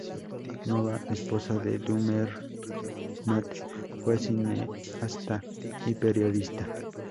La nueva esposa de Dürrenmatt fue cineasta y periodista.